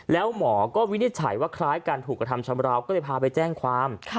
แล้วหมอก็วินิจฉัยว่าคล้ายการถูกกระทำชำราวก็เลยพาไปแจ้งความ